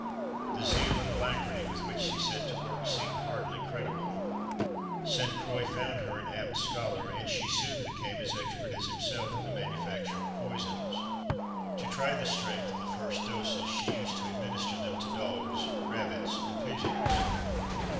The zeal and alacrity with which she set to work seem hardly credible. Sainte Croix found her an apt scholar; and she soon became as expert as himself in the manufacture of poisons. To try the strength of the first doses, she used to administer them to dogs, rabbits, and pigeons.